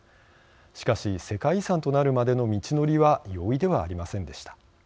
しかし世界遺産となるまでの道のりは容易ではありませんでした。